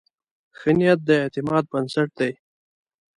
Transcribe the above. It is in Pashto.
ښه نیت د اعتماد بنسټ دی.